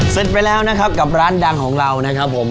เสร็จไปแล้วนะครับกับร้านดังของเรานะครับผม